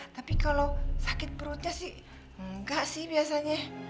tapi kalau sakit perutnya sih enggak sih biasanya